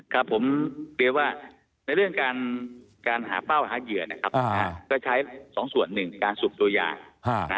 ครับผมเรียกว่าในเรื่องการหาเป้าหาเหยื่อนะครับก็ใช้สองส่วนหนึ่งการสูบตัวยา